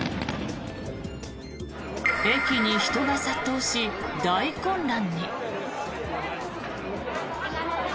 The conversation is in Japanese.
駅に人が殺到し、大混乱に。